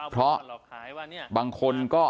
เพราะบางคนก็